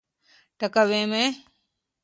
ټکوي مي.